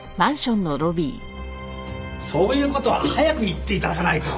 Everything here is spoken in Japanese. そういう事は早く言って頂かないと。